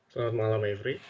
selamat malam avery